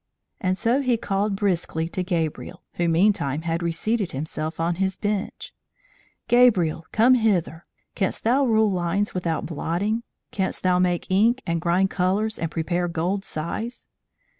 And so he called briskly to Gabriel, who meantime had reseated himself on his bench: "Gabriel, come hither! Canst thou rule lines without blotting? Canst thou make ink and grind colours and prepare gold size?"